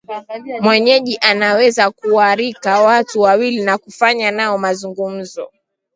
mwenyeji anaweza kuarika watu wawili wa kufanya nao mazungumzo